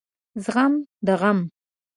زغم د غم